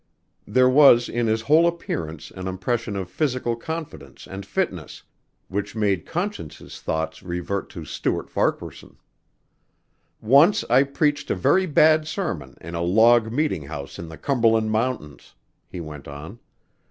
There was in his whole appearance an impression of physical confidence and fitness, which made Conscience's thoughts revert to Stuart Farquaharson. "Once I preached a very bad sermon in a log meeting house in the Cumberland mountains," he went on.